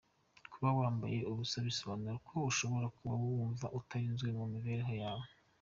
Kuba wambaye ubusa bisobanura ko ushobora kuba wumva utarinzwe mu mibereho yawe.